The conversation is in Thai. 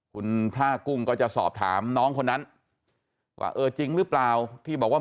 คุณพ่ากุ้งก็จะสอบถามน้องคนนั้นว่าเออจริงหรือเปล่าที่บอกว่า